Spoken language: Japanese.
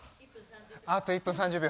あと１分３０秒。